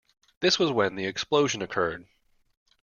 This was when the explosion occurred.